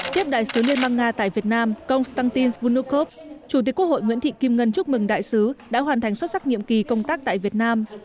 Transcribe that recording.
tiếp đại sứ liên bang nga tại việt nam konstantin zbunukov chủ tịch quốc hội nguyễn thị kim ngân chúc mừng đại sứ đã hoàn thành xuất sắc nhiệm kỳ công tác tại việt nam